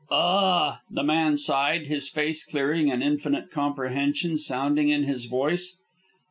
"A w w," the man sighed, his face clearing and infinite comprehension sounding in his voice.